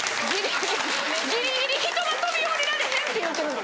ギリギリ人が飛び降りられへんって言うてるのに。